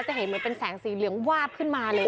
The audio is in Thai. จะเห็นเหมือนเป็นแสงสีเหลืองวาบขึ้นมาเลย